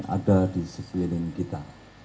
ada di sekeliling kita